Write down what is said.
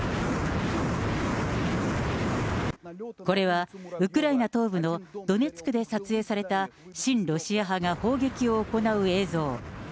これはウクライナ東部のドネツクで撮影された、親ロシア派が砲撃を行う映像。